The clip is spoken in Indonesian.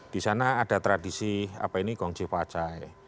di sana ada tradisi gongji pajai